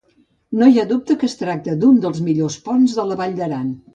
No hi ha dubte que es tracta d'un dels millors ponts del Vall d'Aran.